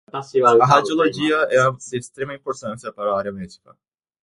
A radiologia é de extrema importância para a área médica